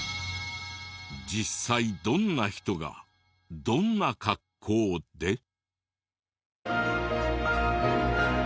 実際どんな人がどんな格好で？